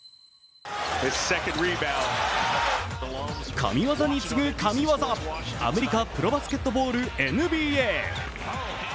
神業に次ぐ神業、アメリカプロバスケットボールＮＢＡ。